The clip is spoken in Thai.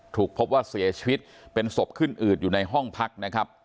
ถูกพบว่าเสียชีวิตเป็นศพขึ้นอืดอยู่ในห้องพักนะครับ